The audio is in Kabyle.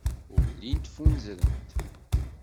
Ur llint ffunzrent.